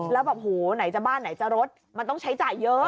แล้วแบบโหไหนจะบ้านไหนจะรถมันต้องใช้จ่ายเยอะ